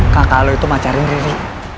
kakak lo itu macarin riri